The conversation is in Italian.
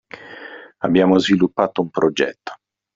Abbiamo sviluppato un progetto.